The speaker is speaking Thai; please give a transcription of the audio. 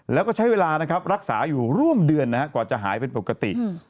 แล้วก็ใช้เวลานะครับรักษาอยู่ร่วมเดือนกว่าจะหายเป็นปกติ